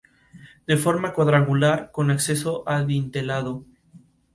De forma cuadrangular, con acceso adintelado.